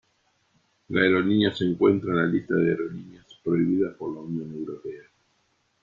La aerolínea se encuentra en la lista de aerolíneas prohibidas por la Unión Europea.